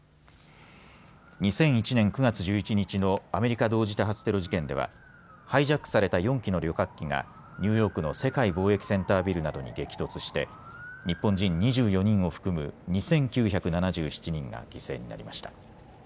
２００１年９月１１日のアメリカ同時多発テロ事件ではハイジャックされた４機の旅客機がニューヨークの世界貿易センタービルなどに激突して日本人２４人を含む２９７７人が犠牲になりました。